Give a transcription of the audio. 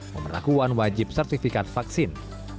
pemerakuan wajib sertifikat vaksin